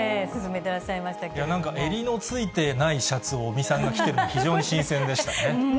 なんか襟のついていないシャツを尾身さんが着ているの、非常に新鮮でしたね。